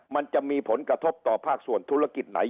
มันจะมีผลกระทบต่อภาคส่วนธุรกิจไหน